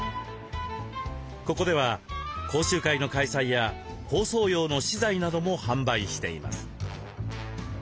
ここでは講習会の開催や包装用の資材なども販売しています。